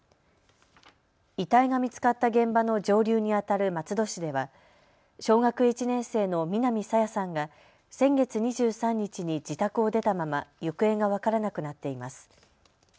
遺体が見つかった現場の上流にあたる松戸市では小学１年生の南朝芽さんが先月２３日に自宅を出たまま行方が分からなくなっています。